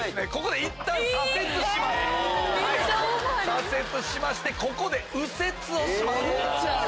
左折してここで右折をします。